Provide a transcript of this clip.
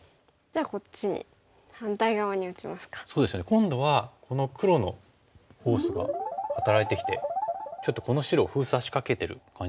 今度はこの黒のフォースが働いてきてちょっとこの白を封鎖しかけてる感じですかね。